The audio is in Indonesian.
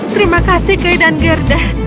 terima kasih kay dan gerda